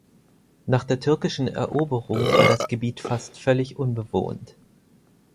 Nach der türkischen Eroberung war das Gebiet fast völlig unbewohnt.